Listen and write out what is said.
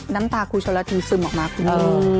น้ำตาครูโชลธีซึมออกมาครูนี้